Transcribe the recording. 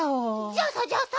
じゃあさじゃあさ